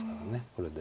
これで。